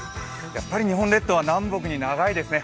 やっぱり日本列島は南北に長いですね。